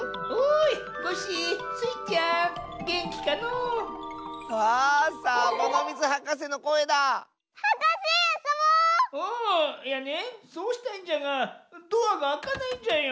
いやねそうしたいんじゃがドアがあかないんじゃよ。